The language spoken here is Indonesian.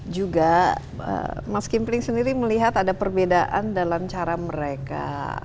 juga mas kimpling sendiri melihat ada perbedaan dalam cara mereka